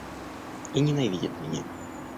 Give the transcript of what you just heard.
И ненавидит меня.